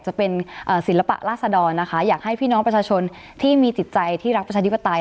จะเป็นศิลปะราษดรนะคะอยากให้พี่น้องประชาชนที่มีจิตใจที่รักประชาธิปไตย